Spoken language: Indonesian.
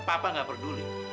papa gak peduli